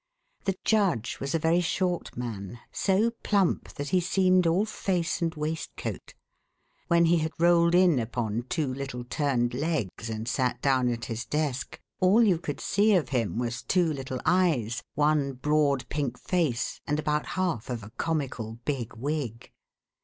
The Judge was a very short man, so plump that he seemed all face and waistcoat. When he had rolled in upon two little turned legs, and sat down at his desk, all you could see of him was two little eyes, one broad pink face, and about half of a comical, big wig.